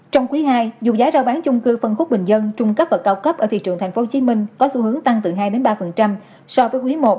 trong quý ii dù giá rao bán chung cư phân khúc bình dân trung cấp và cao cấp ở thị trường tp hcm có xu hướng tăng từ hai ba so với quý i